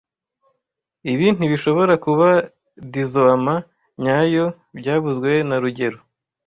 Ibi ntibishobora kuba dizoama nyayo byavuzwe na rugero